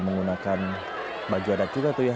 menggunakan baju adat juga tuh ya